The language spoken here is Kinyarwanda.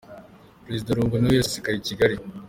Perezida Lungu na we yasesekaye i Kigali.